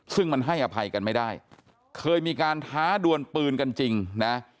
ซึ่งมันให้อภัยกันไม่ได้เคยมีการท้าดวนปืนกันจริงนะ